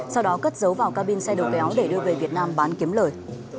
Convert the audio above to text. sau đó cất dấu vào ca bin xe đầu kéo để đưa về việt nam bán kiếm lời